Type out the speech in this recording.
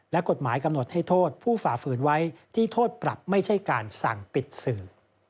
และกฎหมายกำหนดให้โทษผู้ฝ่าฝืนไว้ที่โทษปรับไม่ใช่การสั่งปิดสื่อ